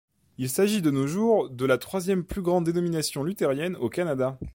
Il s'agit, de nos jours, de la troisième plus grande dénomination luthérienne au Canada.